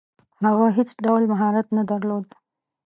هغه هیڅ ډول مهارت نه درلود.